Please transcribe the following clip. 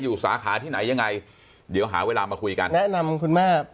สาขาที่ไหนยังไงเดี๋ยวหาเวลามาคุยกันแนะนำคุณแม่